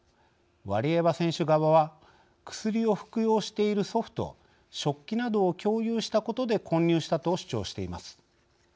ワリエワ選手側は「薬を服用している祖父と食器などを共有したことで混入した」と主張しています。